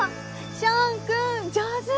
ショーンくん上手！